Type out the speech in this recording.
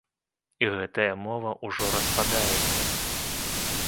І гэтая мова ўжо распадаецца.